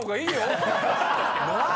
なあ！